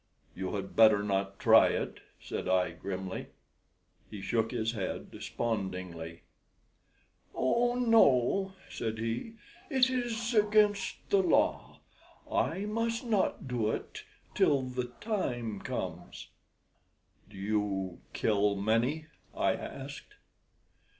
"You had better not try it," said I, grimly. He shook his head despondingly. "Oh no," said he; "it is against the law. I must not do it till the time comes." "Do you kill many?" I asked.